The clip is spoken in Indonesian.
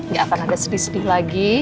gak akan ada sedih sedih lagi